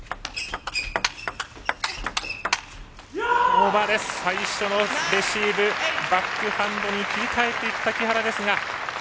オーバーです、最初のレシーブバックハンドに切り替えていった木原ですが。